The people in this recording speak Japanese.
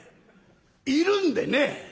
いるんでね」。